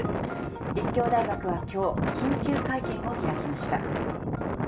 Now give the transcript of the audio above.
立教大学は今日緊急会見を開きました。